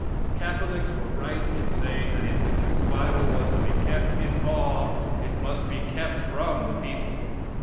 Catholics were right in saying that if the Jew bible was to be kept in awe it must be kept from the people.